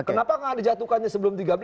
kenapa nggak dijatuhkannya sebelum tiga belas